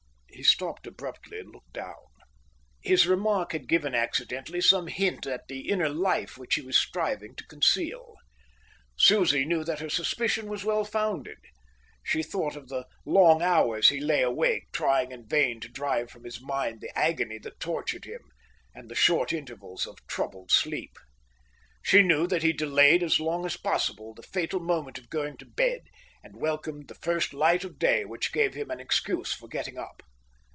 He stopped abruptly and looked down. His remark had given accidentally some hint at the inner life which he was striving to conceal. Susie knew that her suspicion was well founded. She thought of the long hours he lay awake, trying in vain to drive from his mind the agony that tortured him, and the short intervals of troubled sleep. She knew that he delayed as long as possible the fatal moment of going to bed, and welcomed the first light of day, which gave him an excuse for getting up.